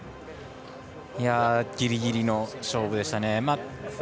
ギリギリの勝負でしたね。